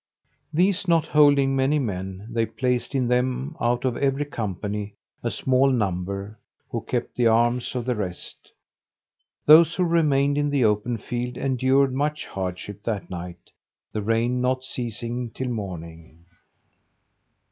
These not holding many men, they placed in them, out of every company, a small number, who kept the arms of the rest: those who remained in the open field endured much hardship that night, the rain not ceasing till morning.